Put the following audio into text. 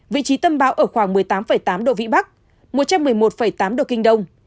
vị trí tâm bão ở khoảng một mươi tám tám độ vĩ bắc một trăm một mươi một tám độ kinh đông